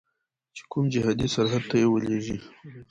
چې کوم جهادي سرحد ته یې ولیږي.